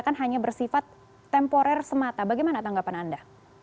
kan hanya bersifat temporer semata bagaimana tanggapan anda